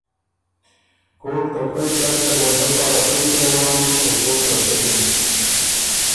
کوک ته خوئ کر کروندۀ پاره خئ کی روانِن او کوک رسکِن۔